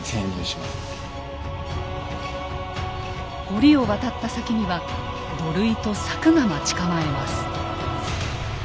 堀を渡った先には土塁と柵が待ち構えます。